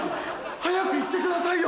早く言ってくださいよ！